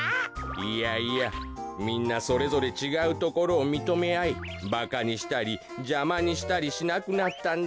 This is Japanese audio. いやいやみんなそれぞれちがうところをみとめあいバカにしたりじゃまにしたりしなくなったんだ。